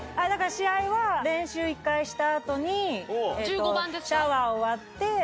試合は練習１回した後にシャワー終わって。